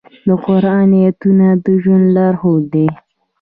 د قرآن آیاتونه د ژوند لارښود دي.